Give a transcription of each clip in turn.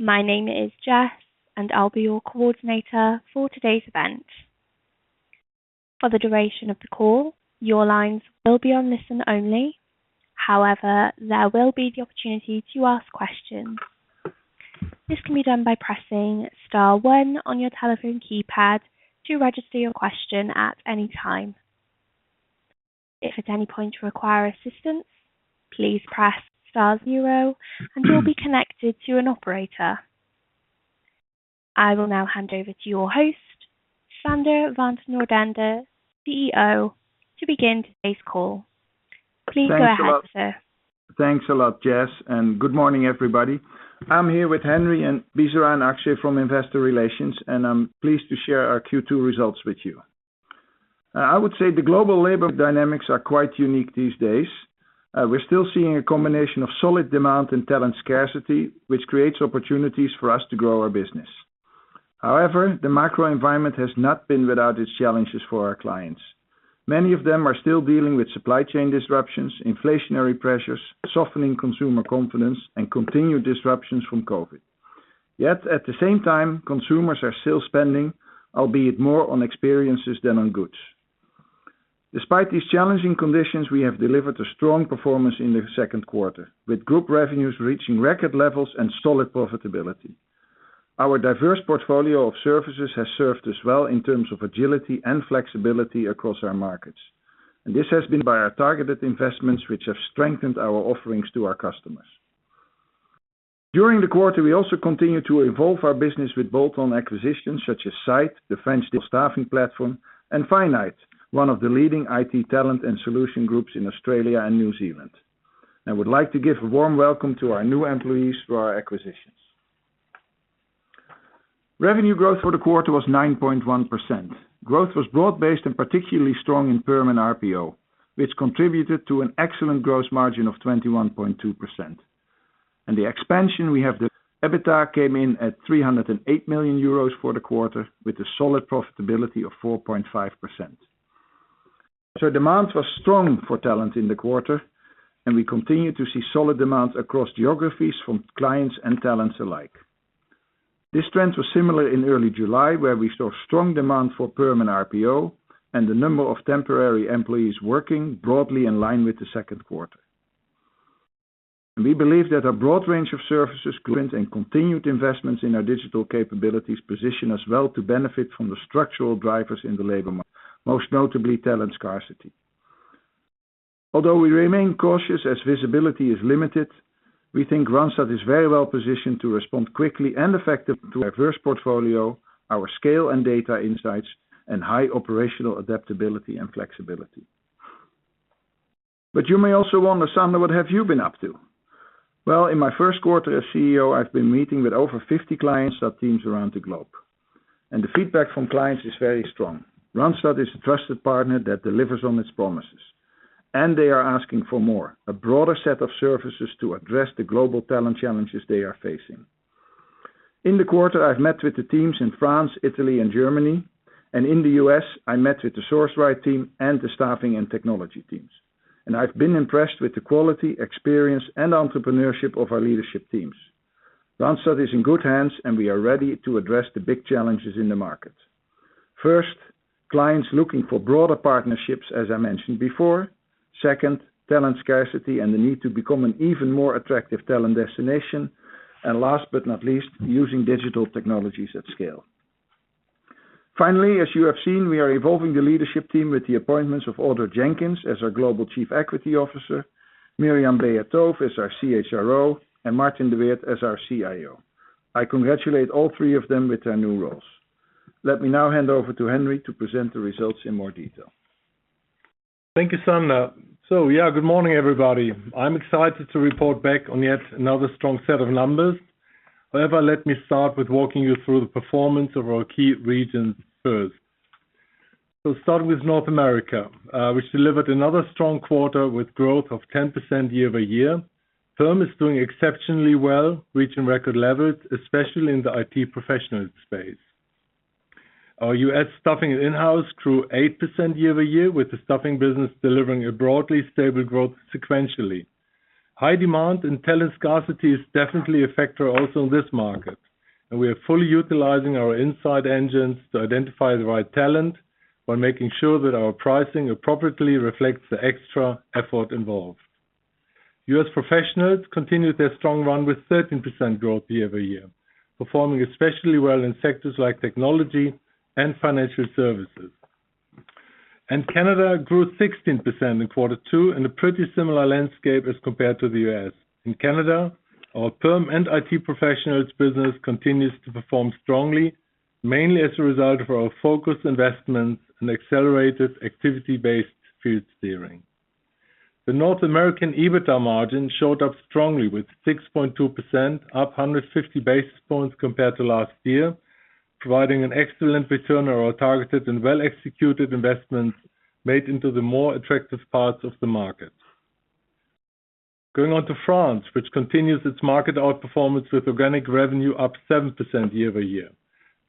My name is Jess, and I'll be your coordinator for today's event. For the duration of the call, your lines will be on listen only. However, there will be the opportunity to ask questions. This can be done by pressing star one on your telephone keypad to register your question at any time. If at any point you require assistance, please press star zero, and you'll be connected to an operator. I will now hand over to your host, Sander van 't Noordende, CEO, to begin today's call. Please go ahead, sir. Thanks a lot, Jess, and good morning, everybody. I'm here with Henry and Bisera and Akshay from Investor Relations, and I'm pleased to share our Q2 results with you. I would say the global labor dynamics are quite unique these days. We're still seeing a combination of solid demand and talent scarcity, which creates opportunities for us to grow our business. However, the macro environment has not been without its challenges for our clients. Many of them are still dealing with supply chain disruptions, inflationary pressures, softening consumer confidence, and continued disruptions from COVID. Yet at the same time, consumers are still spending, albeit more on experiences than on goods. Despite these challenging conditions, we have delivered a strong performance in the second quarter, with group revenues reaching record levels and solid profitability. Our diverse portfolio of services has served us well in terms of agility and flexibility across our markets. This has been bolstered by our targeted investments, which have strengthened our offerings to our customers. During the quarter, we also continued to evolve our business with bolt-on acquisitions such as Side, the French digital staffing platform, and Finite, one of the leading IT talent and technology solutions groups in Australia and New Zealand. I would like to give a warm welcome to our new employees for our acquisitions. Revenue growth for the quarter was 9.1%. Growth was broad-based and particularly strong in Perm and RPO, which contributed to an excellent gross margin of 21.2%. EBITDA came in at 308 million euros for the quarter with a solid profitability of 4.5%. Demand was strong for talent in the quarter, and we continued to see solid demand across geographies from clients and talents alike. This trend was similar in early July, where we saw strong demand for Perm and RPO and the number of temporary employees working broadly in line with the second quarter. We believe that a broad range of services and continued investments in our digital capabilities position us well to benefit from the structural drivers in the labor market, most notably talent scarcity. Although we remain cautious as visibility is limited, we think Randstad is very well positioned to respond quickly and effectively to a diverse portfolio, our scale and data insights, and high operational adaptability and flexibility. You may also wonder, Sander, what have you been up to? Well, in my first quarter as CEO, I've been meeting with over 50 clients of teams around the globe, and the feedback from clients is very strong. Randstad is a trusted partner that delivers on its promises, and they are asking for more, a broader set of services to address the global talent challenges they are facing. In the quarter, I've met with the teams in France, Italy, and Germany, and in the US, I met with the Sourceright team and the staffing and technology teams, and I've been impressed with the quality, experience, and entrepreneurship of our leadership teams. Randstad is in good hands, and we are ready to address the big challenges in the market. First, clients looking for broader partnerships, as I mentioned before. Second, talent scarcity and the need to become an even more attractive talent destination. Last but not least, using digital technologies at scale. Finally, as you have seen, we are evolving the leadership team with the appointments of Audra Jenkins as our Global Chief Equity Officer, Myriam Bétove as our CHRO, and Martin de Weerdt as our CIO. I congratulate all three of them with their new roles. Let me now hand over to Henry to present the results in more detail. Thank you, Sander. Yeah, good morning, everybody. I'm excited to report back on yet another strong set of numbers. However, let me start with walking you through the performance of our key regions first. We'll start with North America, which delivered another strong quarter with growth of 10% year-over-year. Perm is doing exceptionally well, reaching record levels, especially in the IT professional space. Our US staffing and in-house grew 8% year-over-year, with the staffing business delivering a broadly stable growth sequentially. High demand and talent scarcity is definitely a factor also in this market, and we are fully utilizing our inside engines to identify the right talent while making sure that our pricing appropriately reflects the extra effort involved. U.S. Professionals continued their strong run with 13% growth year-over-year, performing especially well in sectors like technology and financial services. Canada grew 16% in quarter two in a pretty similar landscape as compared to the U.S. In Canada, our Perm and IT professionals business continues to perform strongly, mainly as a result of our focused investments and accelerated activity-based field steering. The North American EBITDA margin showed up strongly with 6.2%, up 150 basis points compared to last year, providing an excellent return on our targeted and well-executed investments made into the more attractive parts of the market. Going on to France, which continues its market outperformance with organic revenue up 7% year-over-year.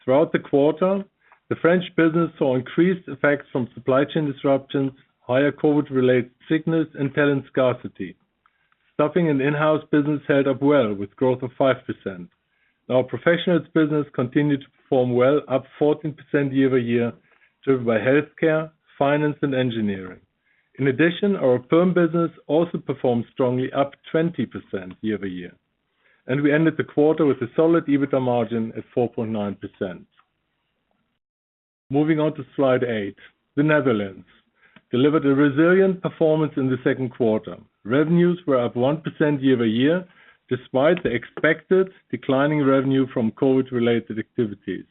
Throughout the quarter, the French business saw increased effects from supply chain disruptions, higher COVID-related sickness and talent scarcity. Staffing and in-house business held up well with growth of 5%. Our professionals business continued to perform well, up 14% year-over-year, driven by healthcare, finance and engineering. In addition, our perm business also performed strongly up 20% year-over-year. We ended the quarter with a solid EBITDA margin at 4.9%. Moving on to slide 8. The Netherlands delivered a resilient performance in the second quarter. Revenues were up 1% year-over-year, despite the expected declining revenue from COVID related activities.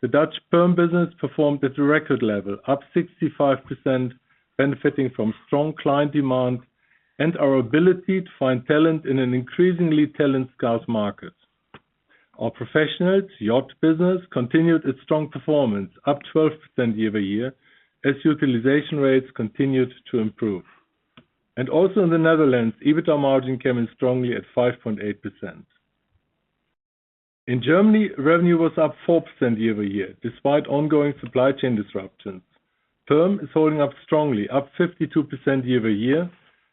The Dutch Perm business performed at a record level, up 65% benefiting from strong client demand and our ability to find talent in an increasingly talent scarce market. Our Professionals IT business continued its strong performance up 12% year-over-year as utilization rates continued to improve. Also in the Netherlands, EBITDA margin came in strongly at 5.8%. In Germany, revenue was up 4% year-over-year despite ongoing supply chain disruptions. Perm is holding up strongly, up 52% year-over-year,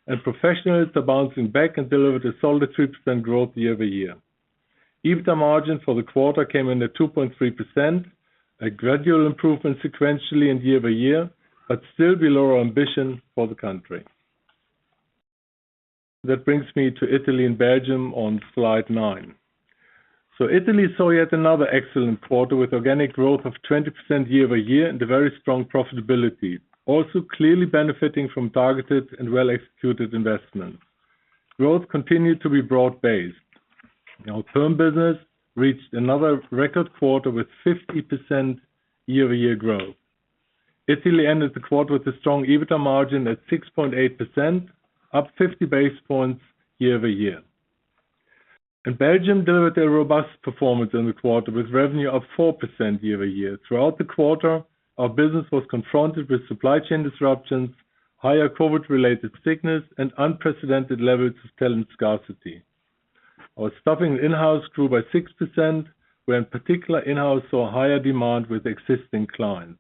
and professionals are bouncing back and delivered a solid 3% growth year-over-year. EBITDA margin for the quarter came in at 2.3%, a gradual improvement sequentially and year-over-year, but still below our ambition for the country. That brings me to Italy and Belgium on slide nine. Italy saw yet another excellent quarter with organic growth of 20% year-over-year and a very strong profitability. Also, clearly benefiting from targeted and well-executed investment. Growth continued to be broad-based. Our perm business reached another record quarter with 50% year-over-year growth. Italy ended the quarter with a strong EBITDA margin at 6.8%, up 50 basis points year-over-year. Belgium delivered a robust performance in the quarter with revenue up 4% year-over-year. Throughout the quarter, our business was confronted with supply chain disruptions, higher COVID-related sickness and unprecedented levels of talent scarcity. Our staffing in-house grew by 6%, where in particular in-house saw higher demand with existing clients.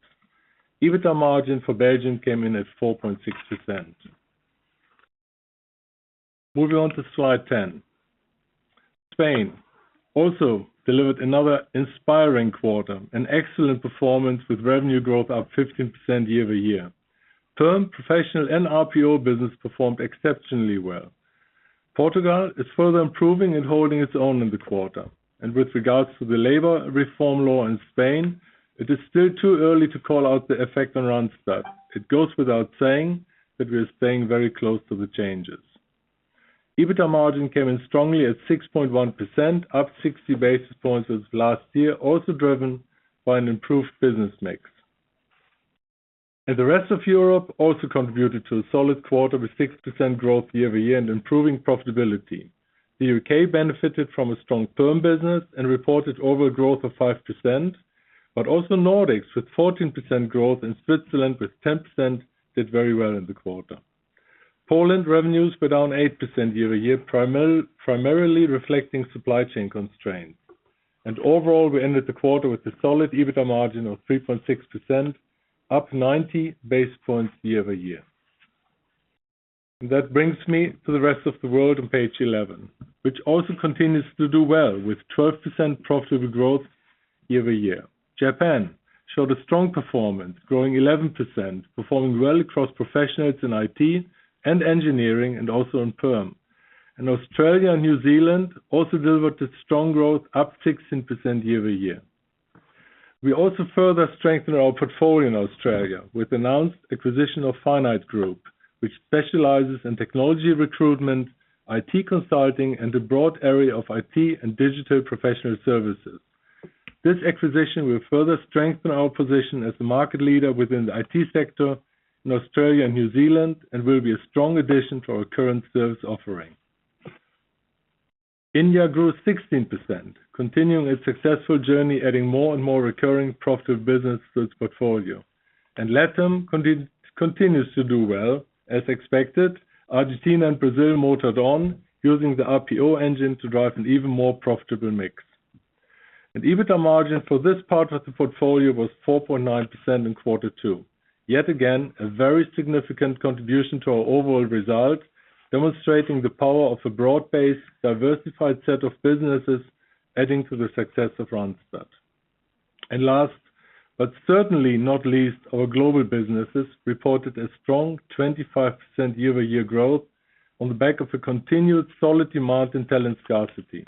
EBITDA margin for Belgium came in at 4.6%. Moving on to slide 10. Spain also delivered another inspiring quarter, an excellent performance with revenue growth up 15% year-over-year. Perm, professional and RPO business performed exceptionally well. Portugal is further improving and holding its own in the quarter. With regards to the labor reform law in Spain, it is still too early to call out the effect on Randstad. It goes without saying that we are staying very close to the changes. EBITDA margin came in strongly at 6.1%, up 60 basis points as of last year, also driven by an improved business mix. The rest of Europe also contributed to a solid quarter with 6% growth year-over-year and improving profitability. The U.K. benefited from a strong perm business and reported overall growth of 5%. Nordics with 14% growth, in Switzerland with 10%, did very well in the quarter. Poland revenues were down 8% year-over-year, primarily reflecting supply chain constraints. Overall, we ended the quarter with a solid EBITDA margin of 3.6%, up 90 basis points year-over-year. That brings me to the rest of the world on page 11, which also continues to do well with 12% profitable growth year-over-year. Japan showed a strong performance growing 11%, performing well across Professionals in IT and engineering and also in perm. Australia and New Zealand also delivered a strong growth up 16% year-over-year. We also further strengthened our portfolio in Australia with announced acquisition of Finite Group, which specializes in technology recruitment, IT consulting, and a broad area of IT and digital professional services. This acquisition will further strengthen our position as the market leader within the IT sector in Australia and New Zealand and will be a strong addition to our current service offering. India grew 16%, continuing its successful journey, adding more and more recurring profitable business to its portfolio. LATAM continues to do well as expected. Argentina and Brazil motored on using the RPO engine to drive an even more profitable mix. EBITDA margin for this part of the portfolio was 4.9% in quarter two. Yet again, a very significant contribution to our overall result, demonstrating the power of a broad-based, diversified set of businesses adding to the success of Randstad. Last, but certainly not least, our global businesses reported a strong 25% year-over-year growth on the back of a continued solid demand in talent scarcity.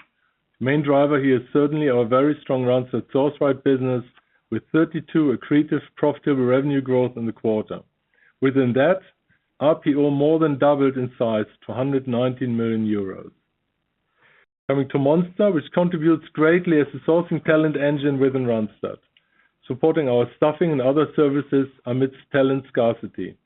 Main driver here is certainly our very strong Randstad Sourceright business with 32% accretive profitable revenue growth in the quarter. Within that, RPO more than doubled in size to 119 million euros. Coming to Monster, which contributes greatly as a sourcing talent engine within Randstad, supporting our staffing and other services amidst talent scarcity.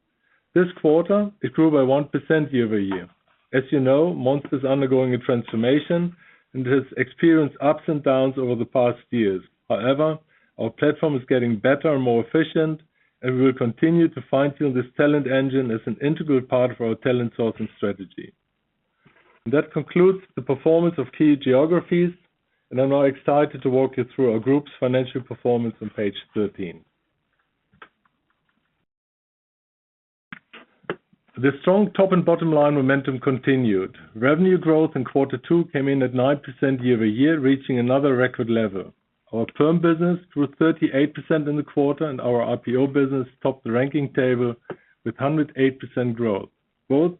This quarter, it grew by 1% year-over-year. As you know, Monster is undergoing a transformation and has experienced ups and downs over the past years. However, our platform is getting better and more efficient, and we will continue to fine-tune this talent engine as an integral part of our talent sourcing strategy. That concludes the performance of key geographies. I'm now excited to walk you through our group's financial performance on page 13. The strong top and bottom line momentum continued. Revenue growth in quarter two came in at 9% year-over-year, reaching another record level. Our perm business grew 38% in the quarter, and our RPO business topped the ranking table with 108% growth, both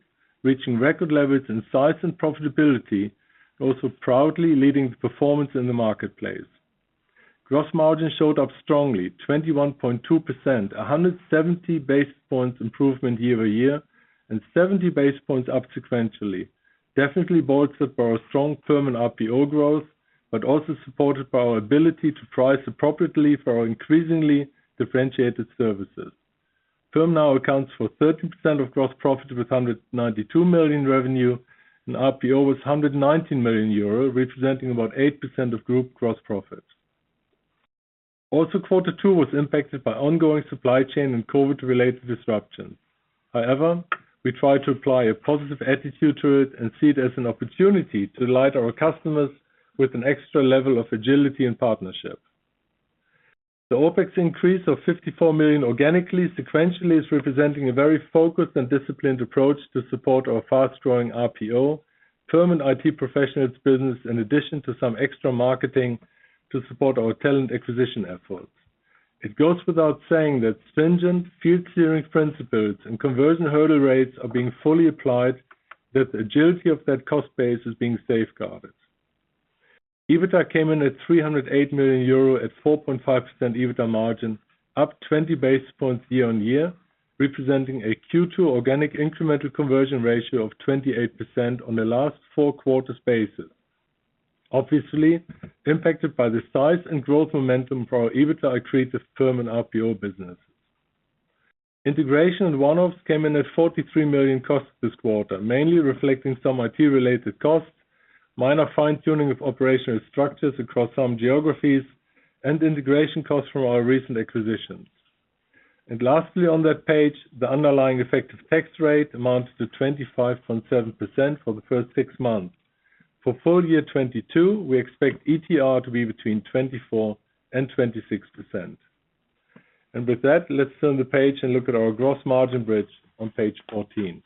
reaching record levels in size and profitability, also proudly leading the performance in the marketplace. Gross margin showed up strongly, 21.2%, 170 basis points improvement year-over-year and 70 basis points up sequentially. Definitely bolstered by our strong perm and RPO growth, but also supported by our ability to price appropriately for our increasingly differentiated services. Perm now accounts for 13% of gross profit, with 192 million in revenue, and RPO with 119 million euro, representing about 8% of group gross profit. Quarter two was impacted by ongoing supply chain and COVID-related disruptions. However, we try to apply a positive attitude to it and see it as an opportunity to delight our customers with an extra level of agility and partnership. The OpEx increase of 54 million organically sequentially is representing a very focused and disciplined approach to support our fast-growing RPO, perm and IT professionals business, in addition to some extra marketing to support our talent acquisition efforts. It goes without saying that stringent field steering principles and conversion hurdle rates are being fully applied, that the agility of that cost base is being safeguarded. EBITDA came in at 308 million euro at 4.5% EBITDA margin, up 20 basis points year-on-year, representing a Q2 organic incremental conversion ratio of 28% on a last four quarters basis. Obviously impacted by the size and growth momentum for our EBITDA accretive perm and RPO businesses. Integration and one-offs came in at 43 million costs this quarter, mainly reflecting some IT related costs, minor fine-tuning of operational structures across some geographies and integration costs from our recent acquisitions. Lastly, on that page, the underlying effective tax rate amounts to 25.7% for the first six months. For full year 2022, we expect ETR to be between 24%-26%. With that, let's turn the page and look at our gross margin bridge on page 14.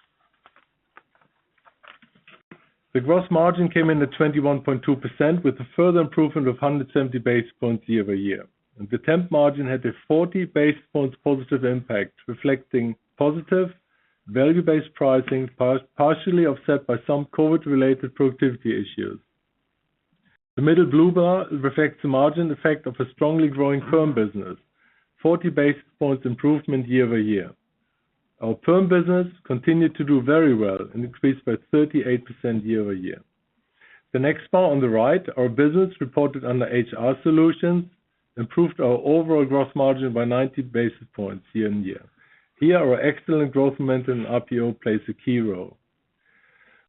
The gross margin came in at 21.2% with a further improvement of 170 basis points year-over-year. The temp margin had a 40 basis points positive impact, reflecting positive value-based pricing, partially offset by some COVID-related productivity issues. The middle blue bar reflects the margin effect of a strongly growing perm business, 40 basis points improvement year-over-year. Our perm business continued to do very well and increased by 38% year-over-year. The next bar on the right, our business reported under HR solutions, improved our overall gross margin by 90 basis points year-over-year. Here, our excellent growth momentum in RPO plays a key role.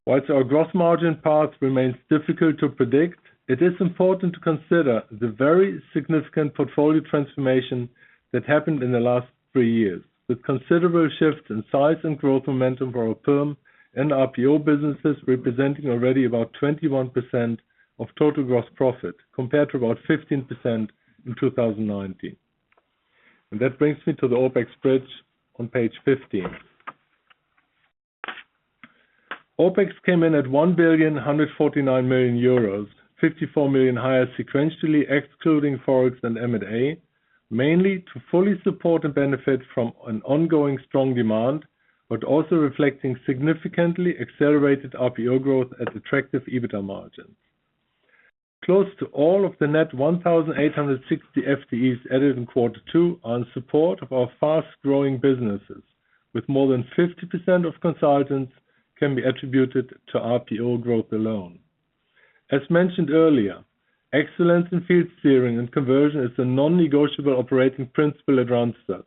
While our gross margin path remains difficult to predict, it is important to consider the very significant portfolio transformation that happened in the last three years, with considerable shifts in size and growth momentum for our Perm and RPO businesses representing already about 21% of total gross profit, compared to about 15% in 2019. That brings me to the OpEx bridge on page 15. OpEx came in at 1,149 million euros, 54 million higher sequentially, excluding ForEx and M&A, mainly to fully support and benefit from an ongoing strong demand, but also reflecting significantly accelerated RPO growth at attractive EBITDA margin. Close to all of the net 1,860 FTEs added in quarter 2 are in support of our fast-growing businesses, with more than 50% of consultants can be attributed to RPO growth alone. As mentioned earlier, excellence in field steering and conversion is a non-negotiable operating principle at Randstad.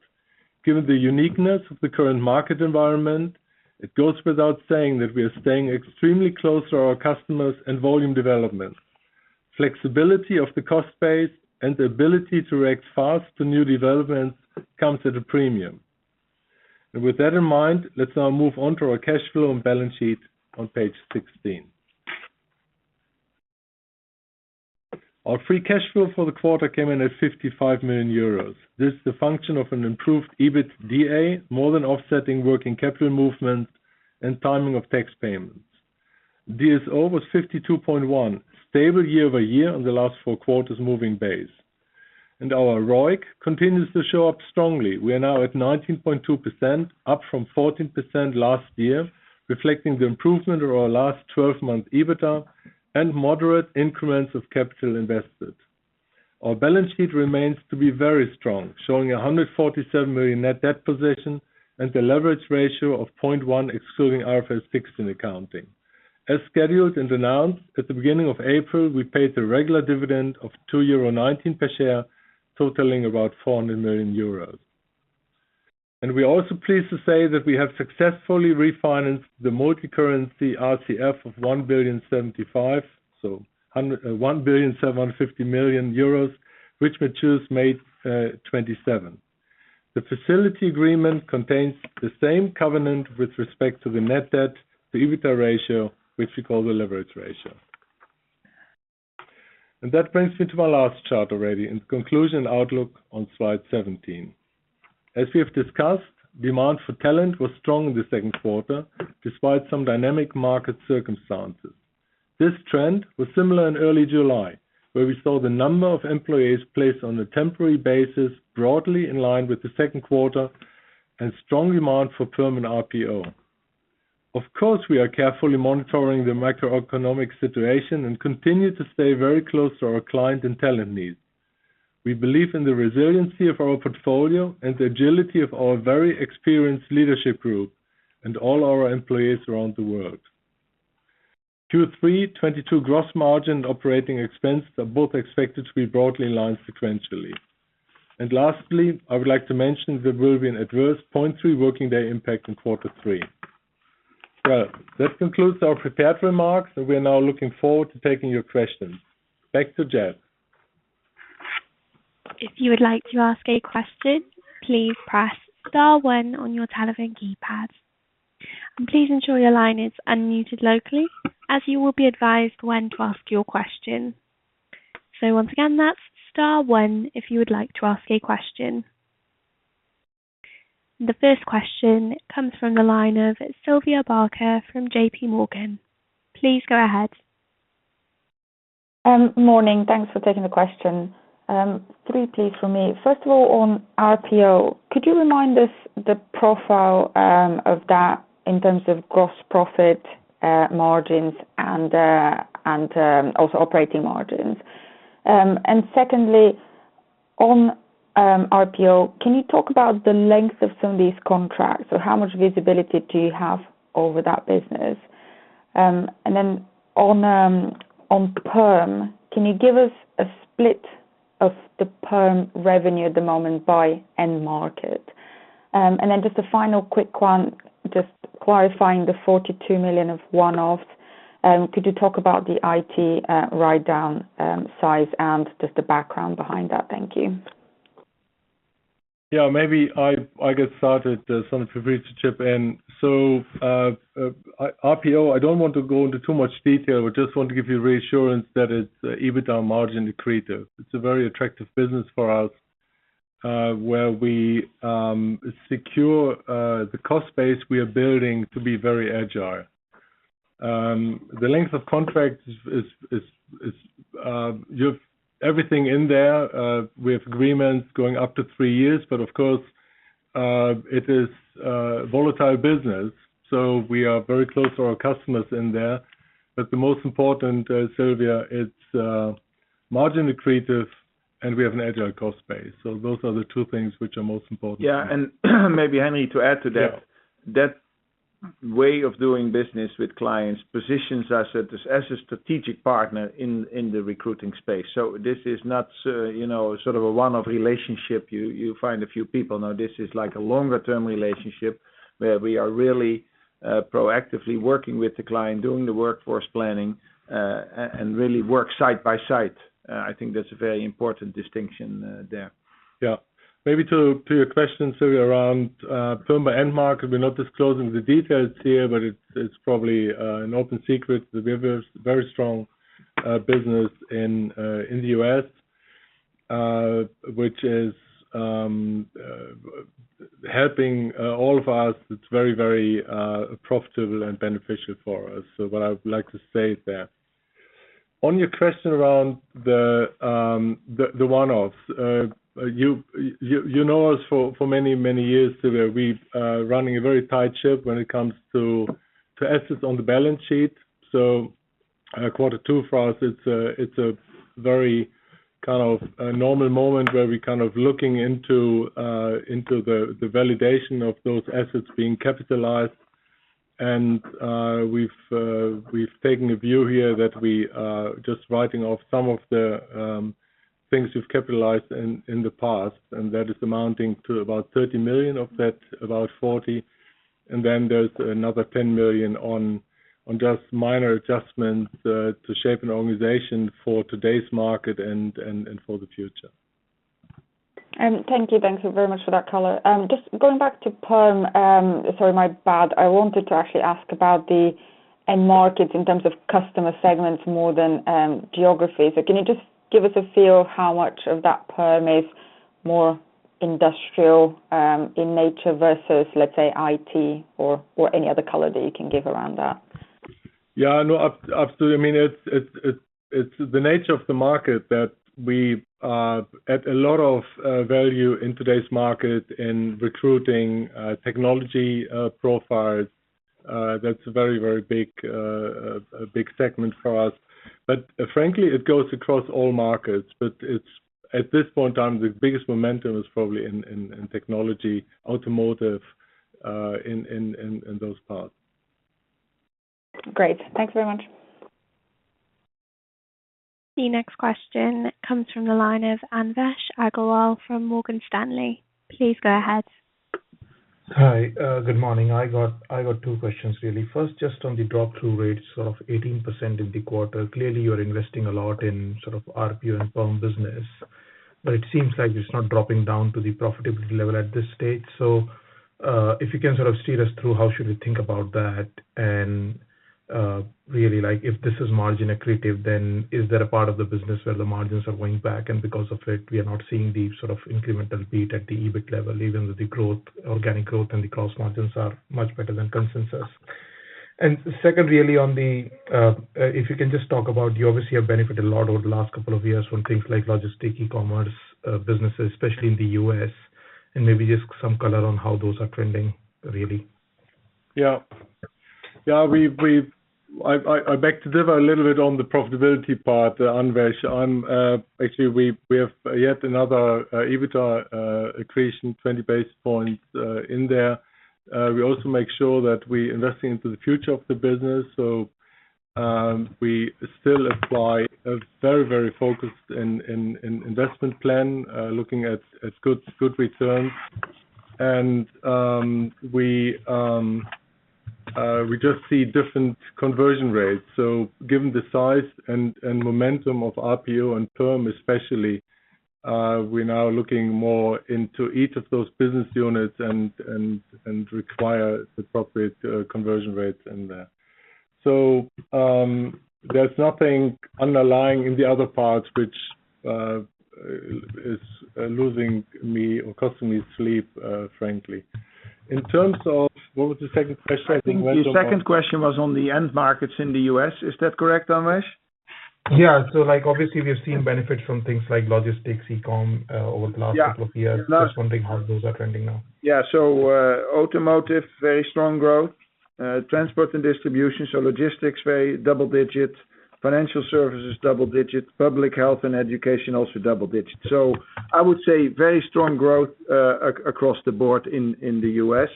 Given the uniqueness of the current market environment, it goes without saying that we are staying extremely close to our customers and volume development. Flexibility of the cost base and the ability to react fast to new developments comes at a premium. With that in mind, let's now move on to our cash flow and balance sheet on page 16. Our free cash flow for the quarter came in at 55 million euros. This is a function of an improved EBITDA, more than offsetting working capital movement and timing of tax payments. DSO was 52.1, stable year-over-year on the last four quarters moving base. Our ROIC continues to show up strongly. We are now at 19.2%, up from 14% last year, reflecting the improvement of our last twelve-month EBITDA and moderate increments of capital invested. Our balance sheet remains to be very strong, showing a 147 million net debt position and a leverage ratio of 0.1, excluding IFRS 16 accounting. As scheduled and announced at the beginning of April, we paid the regular dividend of €2.19 per share, totaling about 400 million euros. We are also pleased to say that we have successfully refinanced the multicurrency RCF of EUR 1.75 billion, which matures May 2027. The facility agreement contains the same covenant with respect to the net debt, the EBITDA ratio, which we call the leverage ratio. That brings me to my last chart already. In conclusion, outlook on slide 17. As we have discussed, demand for talent was strong in the second quarter despite some dynamic market circumstances. This trend was similar in early July, where we saw the number of employees placed on a temporary basis broadly in line with the second quarter and strong demand for perm and RPO. Of course, we are carefully monitoring the macroeconomic situation and continue to stay very close to our client and talent needs. We believe in the resiliency of our portfolio and the agility of our very experienced leadership group and all our employees around the world. Q3 2022 gross margin operating expense are both expected to be broadly in line sequentially. Lastly, I would like to mention there will be an adverse 0.3 working day impact in quarter three. Well, this concludes our prepared remarks, and we are now looking forward to taking your questions. Back to Jen. If you would like to ask a question, please press star one on your telephone keypad. Please ensure your line is unmuted locally as you will be advised when to ask your question. Once again, that's star one if you would like to ask a question. The first question comes from the line of Sylvia Barker from JP Morgan. Please go ahead. Morning. Thanks for taking the question. Three please for me. First of all, on RPO, could you remind us the profile of that in terms of gross profit margins and also operating margins. Secondly, on RPO, can you talk about the length of some of these contracts or how much visibility do you have over that business? Then on perm, can you give us a split of the perm revenue at the moment by end market? Then just a final quick one, just clarifying the 42 million of one-offs. Could you talk about the IT write down size and just the background behind that? Thank you. Yeah. Maybe I get started, Sonny for you to chip in. RPO, I don't want to go into too much detail. I just want to give you reassurance that it's EBITDA margin accretive. It's a very attractive business for us, where we secure the cost base we are building to be very agile. The length of contract is you have everything in there, we have agreements going up to three years, but of course, it is a volatile business, so we are very close to our customers in there. But the most important, Sylvia, it's margin accretive and we have an agile cost base. Those are the two things which are most important. Yeah. Maybe, Henry, to add to that. Yeah. That way of doing business with clients positions us as a strategic partner in the recruiting space. This is not, you know, sort of a one-off relationship. You find a few people. No, this is like a longer-term relationship where we are really proactively working with the client, doing the workforce planning, and really work side by side. I think that's a very important distinction there. Maybe to your question, Sylvia, around perm by end market. We're not disclosing the details here, but it's probably an open secret that we have a very strong business in the U.S., which is helping all of us. It's very profitable and beneficial for us. What I would like to say is that. On your question around the one-offs. You know us for many years, Sylvia. We running a very tight ship when it comes to assets on the balance sheet. Quarter two for us, it's a very kind of a normal moment where we kind of looking into the validation of those assets being capitalized. We've taken a view here that we are just writing off some of the things we've capitalized in the past, and that is amounting to about 30 million of that, about 40. Then there's another 10 million on just minor adjustments to shape an organization for today's market and for the future. Thank you. Thank you very much for that color. Just going back to perm. Sorry, my bad. I wanted to actually ask about the end market in terms of customer segments more than geography. Can you just give us a feel how much of that perm is more industrial in nature versus, let's say, IT or any other color that you can give around that? Yeah, no, absolutely. I mean, it's the nature of the market that we add a lot of value in today's market in recruiting technology profiles. That's a very big segment for us. Frankly, it goes across all markets. It's at this point in time, the biggest momentum is probably in technology, automotive, in those parts. Great. Thanks very much. The next question comes from the line of Anvesh Agrawal from Morgan Stanley. Please go ahead. Hi, good morning. I got two questions really. First, just on the drop-through rates of 18% in the quarter. Clearly, you're investing a lot in sort of RPO and perm business, but it seems like it's not dropping down to the profitability level at this stage. If you can sort of steer us through, how should we think about that? Really like, if this is margin accretive, then is that a part of the business where the margins are going back? Because of it, we are not seeing the sort of incremental beat at the EBITDA level, even with the organic growth and the gross margins are much better than consensus. Second, really on the if you can just talk about you obviously have benefited a lot over the last couple of years from things like logistics, e-commerce businesses, especially in the U.S. Maybe just some color on how those are trending, really. Yeah. Yeah, I beg to differ a little bit on the profitability part, Anvesh. Actually, we have yet another EBITDA accretion, 20 basis points in there. We also make sure that we're investing into the future of the business. We still apply a very focused investment plan looking at good returns. We just see different conversion rates. Given the size and momentum of RPO and perm especially, we're now looking more into each of those business units and require the appropriate conversion rates in there. There's nothing underlying in the other parts which is losing me or costing me sleep, frankly. In terms of what was the second question? I think the second question was on the end markets in the U.S. Is that correct, Anvesh? Yeah. Like obviously we've seen benefits from things like logistics, e-com, over the last couple of years. Yeah. Just wondering how those are trending now. Yeah. Automotive, very strong growth. Transport and distribution, so logistics, very double digits. Financial services, double digits. Public health and education, also double digits. I would say very strong growth, across the board in the US,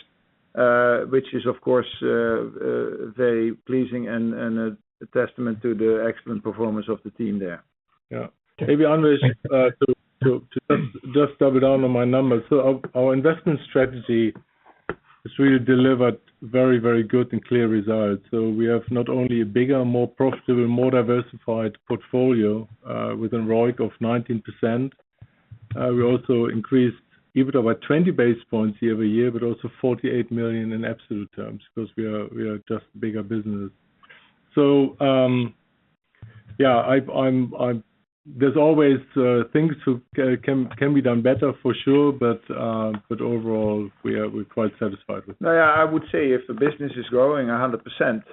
which is of course, very pleasing and a testament to the excellent performance of the team there. Yeah. Maybe, Anvesh, to just double down on my numbers. Our investment strategy has really delivered very, very good and clear results. We have not only a bigger, more profitable, more diversified portfolio with an ROIC of 19%. We also increased EBITDA by 20 basis points year-over-year, but also 48 million in absolute terms, because we are just bigger business. Yeah, there’s always things that can be done better for sure. Overall, we’re quite satisfied with that. Yeah, I would say if the business is growing 100%,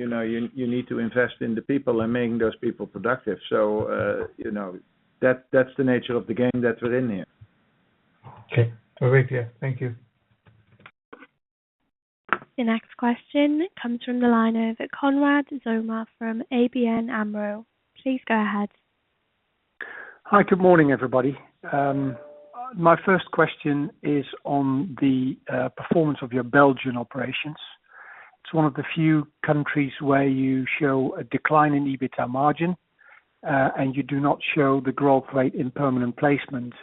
you know, you need to invest in the people and making those people productive. You know, that's the nature of the game that's within here. Okay. Perfect. Yeah. Thank you. The next question comes from the line of Konrad Zomer from ABN AMRO. Please go ahead. Hi, good morning, everybody. My first question is on the performance of your Belgian operations. It's one of the few countries where you show a decline in EBITDA margin, and you do not show the growth rate in permanent placement.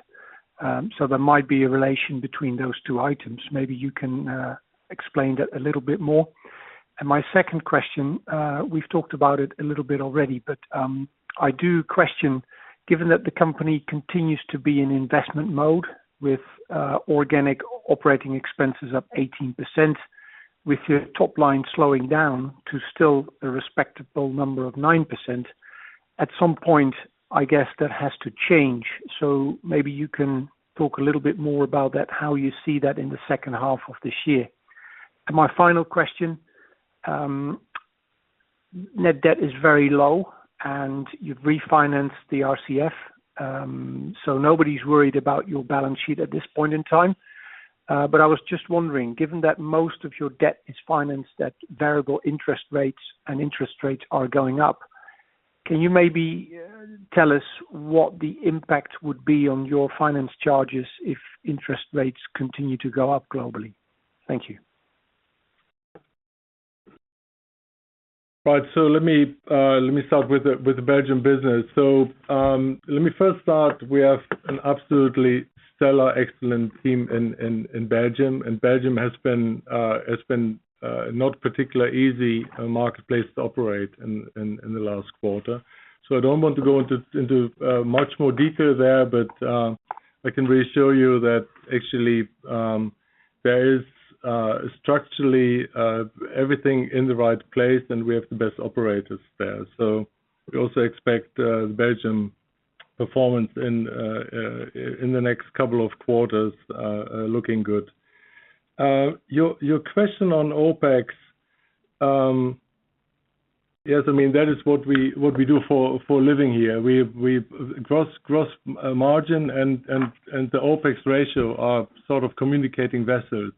There might be a relation between those two items. Maybe you can explain that a little bit more. My second question, we've talked about it a little bit already, but I do question, given that the company continues to be in investment mode with organic operating expenses up 18%, with your top line slowing down to still a respectable number of 9%, at some point, I guess that has to change. Maybe you can talk a little bit more about that, how you see that in the second half of this year. My final question, net debt is very low, and you've refinanced the RCF, so nobody's worried about your balance sheet at this point in time. I was just wondering, given that most of your debt is financed at variable interest rates and interest rates are going up, can you maybe tell us what the impact would be on your finance charges if interest rates continue to go up globally? Thank you. Let me start with the Belgian business. Let me first start. We have an absolutely stellar, excellent team in Belgium. Belgium has been not particularly easy marketplace to operate in in the last quarter. I don't want to go into much more detail there, but I can reassure you that actually there is structurally everything in the right place, and we have the best operators there. We also expect the Belgian performance in the next couple of quarters looking good. Your question on OpEx. Yes, I mean, that is what we do for a living here. We've gross margin and the OpEx ratio are sort of communicating vessels.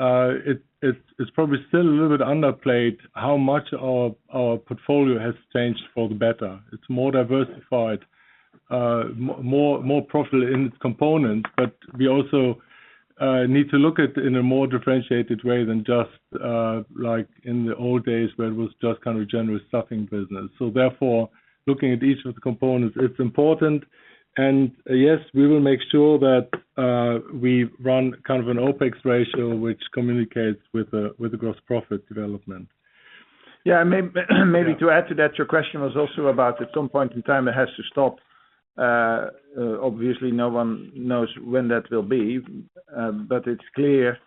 It's probably still a little bit underplayed how much our portfolio has changed for the better. It's more diversified, more profitable in its components. But we also need to look at in a more differentiated way than just, like in the old days, where it was just kind of a general staffing business. Therefore, looking at each of the components, it's important. Yes, we will make sure that we run kind of an OpEx ratio which communicates with the gross profit development. Yeah, maybe to add to that, your question was also about at some point in time it has to stop. Obviously no one knows when that will be, but it's clear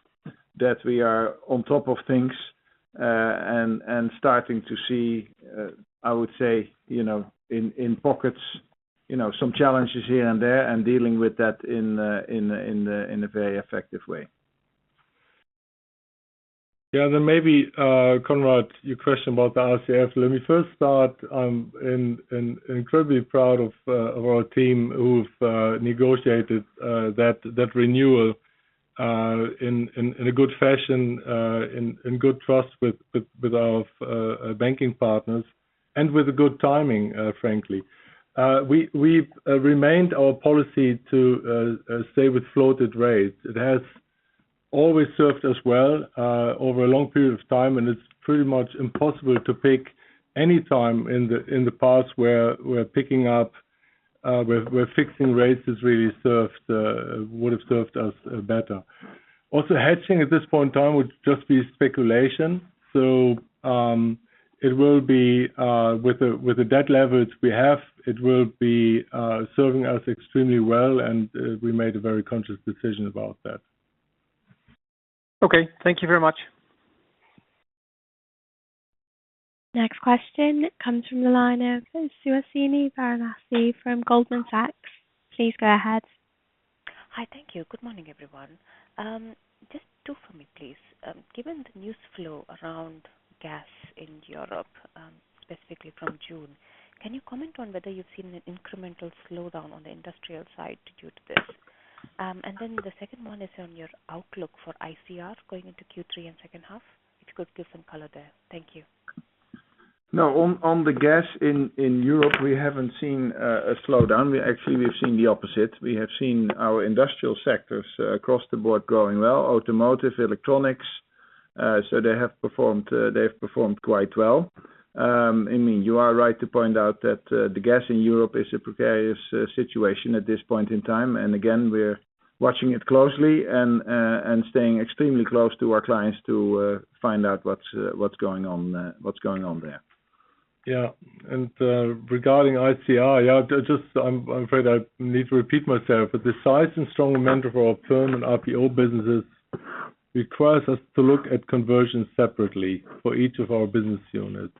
that we are on top of things, and starting to see, I would say, you know, in pockets, you know, some challenges here and there and dealing with that in a very effective way. Maybe, Konrad, your question about the RCF. Let me first start, I'm incredibly proud of our team who've negotiated that renewal in a good fashion in good trust with our banking partners and with good timing, frankly. We've retained our policy to stay with floating rates. It has always served us well over a long period of time, and it's pretty much impossible to pick any time in the past where fixed rates would have served us better. Also, hedging at this point in time would just be speculation. It will be serving us extremely well, and we made a very conscious decision about that. Okay. Thank you very much. Next question comes from the line of Suhasini Varanasi from Goldman Sachs. Please go ahead. Hi. Thank you. Good morning, everyone. Just two from me, please. Given the news flow around gas in Europe, specifically from June, can you comment on whether you've seen an incremental slowdown on the industrial side due to this? The second one is on your outlook for ICR going into Q3 and second half. If you could give some color there. Thank you. No. On the gas in Europe, we haven't seen a slowdown. We actually, we've seen the opposite. We have seen our industrial sectors across the board growing well, automotive, electronics, so they have performed quite well. I mean, you are right to point out that the gas in Europe is a precarious situation at this point in time. We're watching it closely and staying extremely close to our clients to find out what's going on there. Yeah. Regarding ICR, yeah, just I'm afraid I need to repeat myself, but the size and strong momentum of our perm and RPO businesses requires us to look at conversion separately for each of our business units.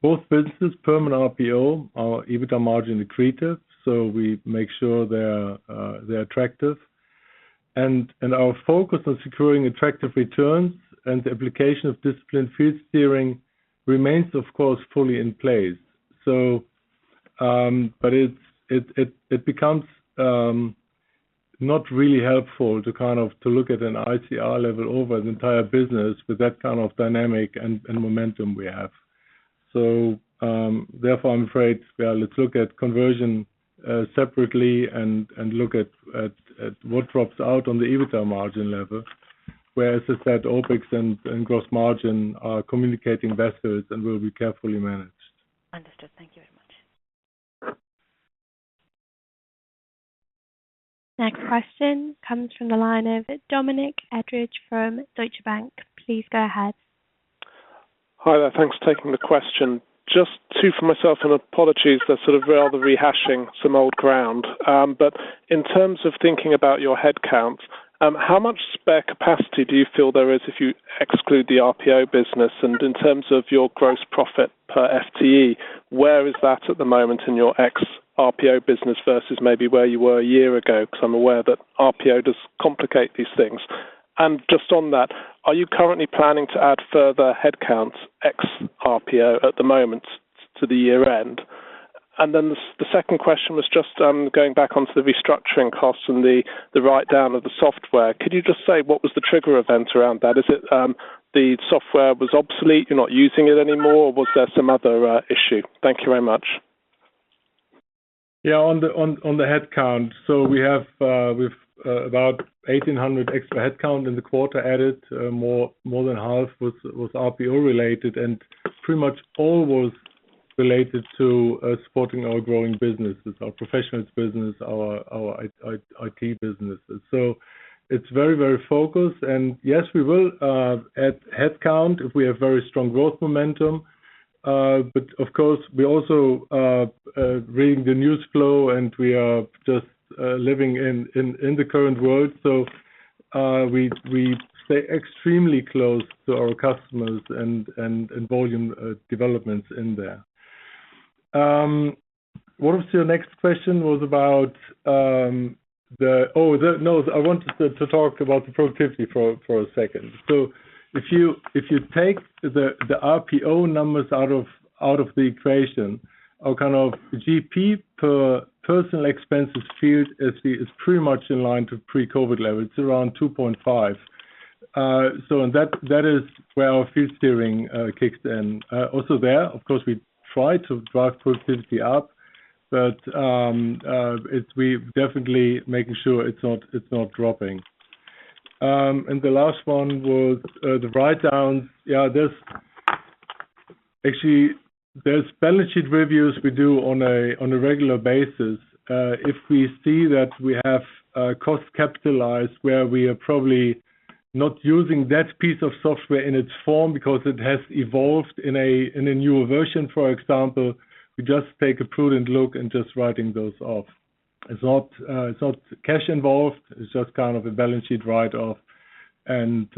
Both businesses, perm and RPO, our EBITDA margin accretive, so we make sure they're attractive. Our focus on securing attractive returns and the application of disciplined fee steering remains, of course, fully in place. It becomes not really helpful to kind of look at an ICR level over the entire business with that kind of dynamic and momentum we have. Therefore, I'm afraid let's look at conversion separately and look at what drops out on the EBITDA margin level, whereas I said, OpEx and gross margin are communicating vessels and will be carefully managed. Understood. Thank you very much. Next question comes from the line of Dominic Etheridge from Deutsche Bank. Please go ahead. Hi there. Thanks for taking the question. Just two for myself, and apologies, they're sort of rather rehashing some old ground. In terms of thinking about your headcount, how much spare capacity do you feel there is if you exclude the RPO business? In terms of your gross profit per FTE, where is that at the moment in your ex RPO business versus maybe where you were a year ago? Because I'm aware that RPO does complicate these things. Just on that, are you currently planning to add further headcounts, ex RPO at the moment to the year end? The second question was just going back onto the restructuring costs and the write-down of the software. Could you just say what was the trigger event around that? Is it, the software was obsolete, you're not using it anymore, or was there some other, issue? Thank you very much. Yeah. On the headcount. We have about 1800 extra headcount in the quarter added, more than half was RPO related, and pretty much all was related to supporting our growing businesses, our Professionals business, our IT businesses. It's very focused. Yes, we will add headcount if we have very strong growth momentum. Of course, we also are reading the news flow, and we are just living in the current world. We stay extremely close to our customers and volume developments in there. What was your next question about? No, I wanted to talk about the productivity for a second. If you take the RPO numbers out of the equation, our kind of GP per personnel expenses field is pretty much in line to pre-COVID levels, around 2.5. That is where our fee steering kicks in. Of course, we try to drive productivity up, but we've definitely making sure it's not dropping. The last one was the write-down. Actually, there's balance sheet reviews we do on a regular basis. If we see that we have cost capitalized where we are probably not using that piece of software in its form because it has evolved in a newer version, for example, we just take a prudent look and just writing those off. It's not cash involved. It's just kind of a balance sheet write-off and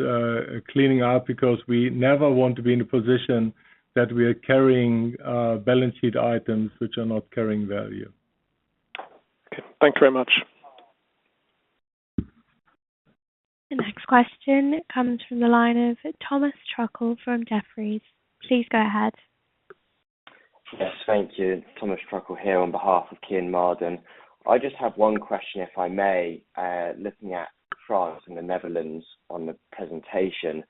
cleaning out because we never want to be in a position that we are carrying balance sheet items which are not carrying value. Okay. Thank you very much. The next question comes from the line of Thomas Triggle from Jefferies. Please go ahead. Yes. Thank you. Thomas Truckle here on behalf of Kean Marden. I just have one question, if I may. Looking at France and the Netherlands on the presentation.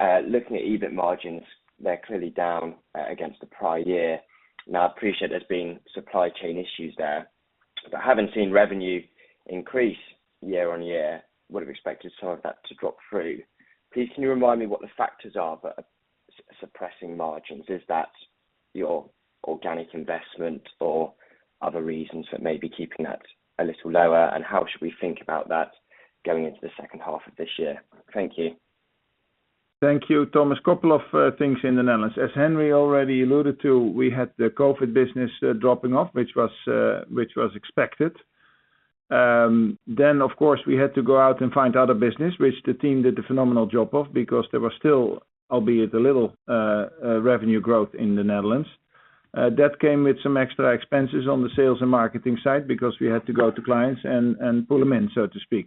Looking at EBIT margins, they're clearly down against the prior year. Now, I appreciate there's been supply chain issues there, but having seen revenue increase year-on-year, would have expected some of that to drop through. Please can you remind me what the factors are that are suppressing margins? Is that your organic investment or other reasons that may be keeping that a little lower? How should we think about that going into the second half of this year? Thank you. Thank you, Thomas. Couple of things in the Netherlands. As Henry already alluded to, we had the COVID business dropping off, which was expected. Of course, we had to go out and find other business, which the team did a phenomenal job of because there was still, albeit a little, revenue growth in the Netherlands. That came with some extra expenses on the sales and marketing side because we had to go to clients and pull them in, so to speak.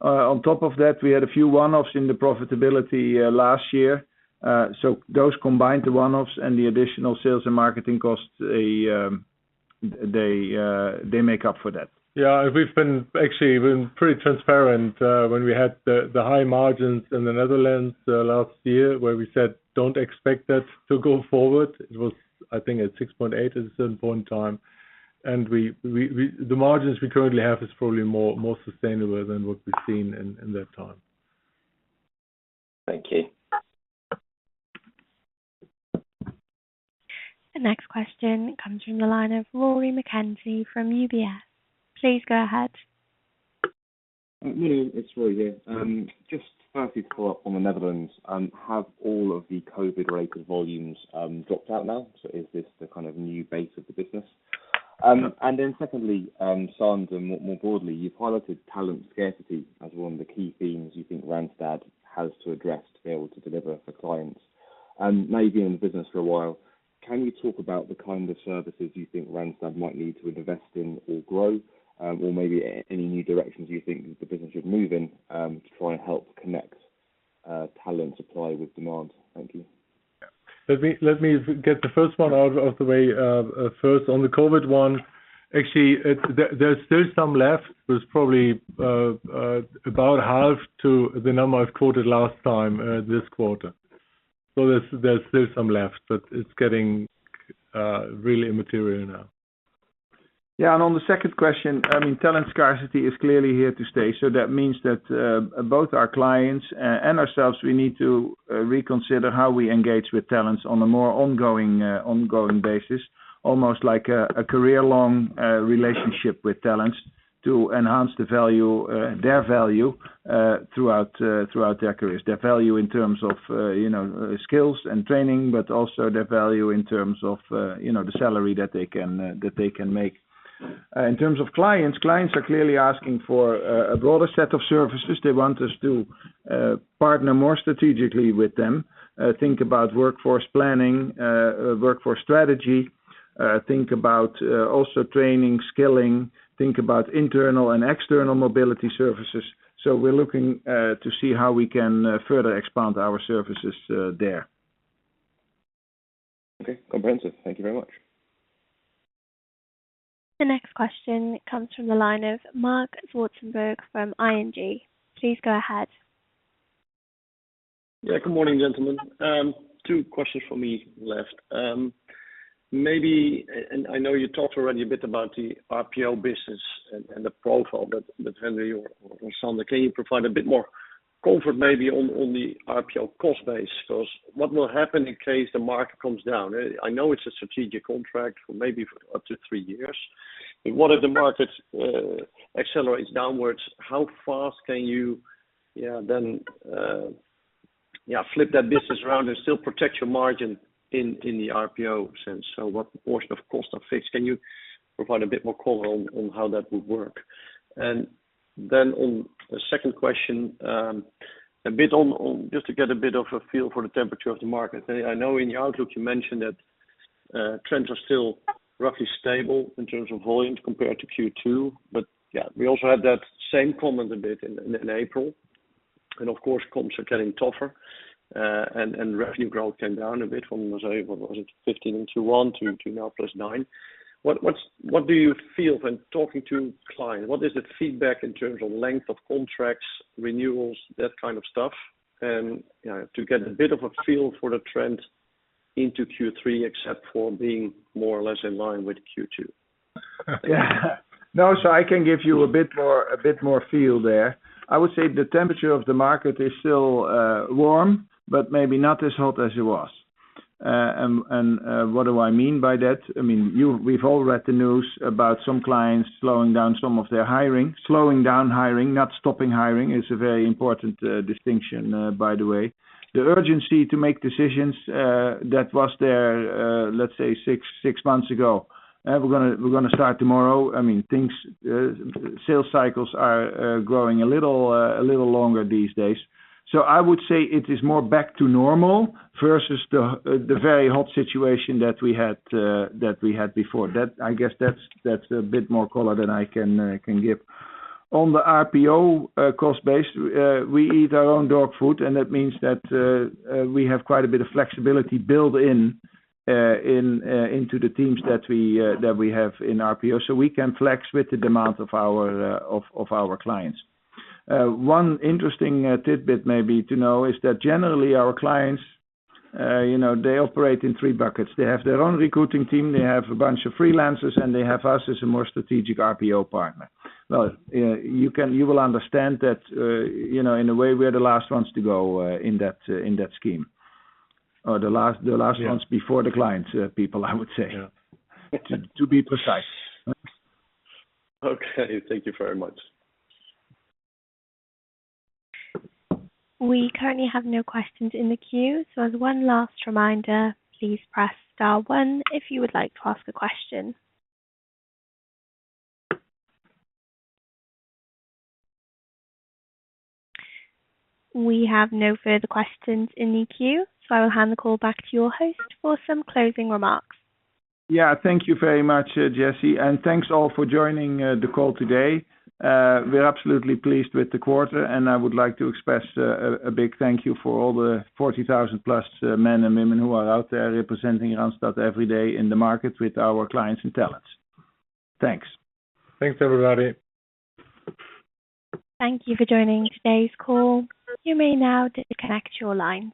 On top of that, we had a few one-offs in the profitability last year. Those combined, the one-offs and the additional sales and marketing costs, they make up for that. Yeah. Actually, we've been pretty transparent when we had the high margins in the Netherlands last year where we said, "Don't expect that to go forward." It was, I think, 6.8% at a certain point in time. The margins we currently have is probably more sustainable than what we've seen in that time. Thank you. The next question comes from the line of Rory McKenzie from UBS. Please go ahead. Yeah. It's Rory here. Just first to follow up on the Netherlands, have all of the COVID-related volumes dropped out now? Is this the kind of new base of the business? Secondly, Sander, more broadly, you piloted talent scarcity as one of the key themes you think Randstad has to address to be able to deliver for clients. Now you've been in the business for a while, can you talk about the kind of services you think Randstad might need to invest in or grow, or maybe any new directions you think the business should move in, to try and help connect talent supply with demand? Thank you. Let me get the first one out of the way. First, on the COVID one, actually, it's there. There's still some left. There's probably about half to the number I've quoted last time, this quarter. There's still some left, but it's getting really immaterial now. Yeah. On the second question, I mean, talent scarcity is clearly here to stay. That means that both our clients and ourselves, we need to reconsider how we engage with talents on a more ongoing basis, almost like a career-long relationship with talents to enhance the value, their value throughout their careers. Their value in terms of, you know, skills and training, but also their value in terms of, you know, the salary that they can make. In terms of clients are clearly asking for a broader set of services. They want us to partner more strategically with them, think about workforce planning, workforce strategy, think about also training, skilling, think about internal and external mobility services. We're looking to see how we can further expand our services there. Okay. Comprehensive. Thank you very much. The next question comes from the line of Marc Zwartsenburg from ING. Please go ahead. Yeah. Good morning, gentlemen. Two questions from me left. Maybe and I know you talked already a bit about the RPO business and the profile that Henry or Sander. Can you provide a bit more comfort maybe on the RPO cost base? What will happen in case the market comes down? I know it's a strategic contract for maybe up to three years. If one of the markets accelerates downwards, how fast can you flip that business around and still protect your margin in the RPO sense? What portion of cost are fixed? Can you provide a bit more color on how that would work? On the second question, a bit on just to get a bit of a feel for the temperature of the market. I know in the outlook you mentioned that trends are still roughly stable in terms of volumes compared to Q2. Yeah, we also had that same comment a bit in April. Of course, comps are getting tougher, and revenue growth came down a bit from 15% to 1% to now +9%. What do you feel when talking to clients? What is the feedback in terms of length of contracts, renewals, that kind of stuff? You know, to get a bit of a feel for the trend into Q3, except for being more or less in line with Q2. I can give you a bit more feel there. I would say the temperature of the market is still warm, but maybe not as hot as it was. What do I mean by that? I mean, you've all read the news about some clients slowing down some of their hiring. Slowing down hiring, not stopping hiring is a very important distinction, by the way. The urgency to make decisions that was there, let's say 6 months ago, we're gonna start tomorrow. I mean, things, sales cycles are growing a little longer these days. I would say it is more back to normal versus the very hot situation that we had before. I guess that's a bit more color than I can give. On the RPO cost base, we eat our own dog food, and that means that we have quite a bit of flexibility built into the teams that we have in RPO. So we can flex with the demands of our clients. One interesting tidbit maybe to know is that generally our clients, you know, they operate in three buckets. They have their own recruiting team, they have a bunch of freelancers, and they have us as a more strategic RPO partner. Well, you know, you will understand that, you know, in a way, we're the last ones to go in that scheme, or the last. Yeah. ones before the clients, people, I would say. Yeah. To be precise. Okay. Thank you very much. We currently have no questions in the queue. As one last reminder, please press star one if you would like to ask a question. We have no further questions in the queue, so I will hand the call back to your host for some closing remarks. Yeah. Thank you very much, Jesse, and thanks all for joining the call today. We're absolutely pleased with the quarter, and I would like to express a big thank you for all the 40,000 plus men and women who are out there representing Randstad every day in the market with our clients and talents. Thanks. Thanks, everybody. Thank you for joining today's call. You may now disconnect your lines.